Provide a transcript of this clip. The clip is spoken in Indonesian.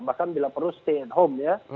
bahkan bila perlu stay at home ya